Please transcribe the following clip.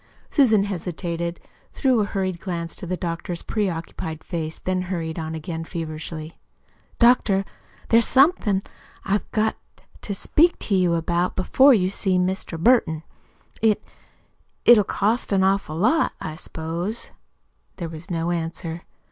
Susan hesitated, threw a hurried glance into the doctor's preoccupied face, then hurried on again feverishly. "Doctor, there's somethin' I've got to to speak to you about before you see Mr. Burton. It it it'll cost an awful lot, I s'pose." There was no answer.